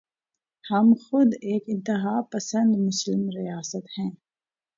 ہم خود ایک انتہا پسند مسلم ریاست ہیں۔